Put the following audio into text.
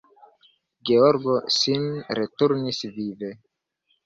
Georgo sin returnis vive.